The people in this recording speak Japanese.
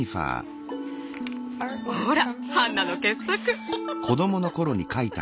ほらハンナの傑作。